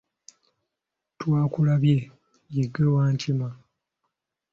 Twakulabye, ye ggwe Wankima.